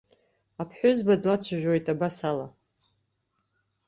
Аԥҳәызба длацәажәоит абас ала.